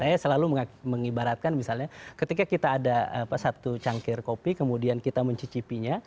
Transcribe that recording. saya selalu mengibaratkan misalnya ketika kita ada satu cangkir kopi kemudian kita mencicipinya